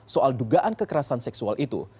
soal dugaan kekerasan seksual itu